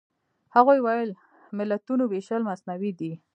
هغوی ویل ملتونو وېشل مصنوعي دي.